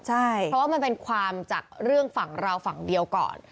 เพราะว่ามันเป็นความจากเรื่องฝั่งเราฝั่งเดียวก่อน